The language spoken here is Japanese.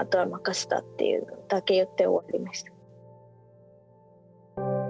っていうだけ言って終わりました。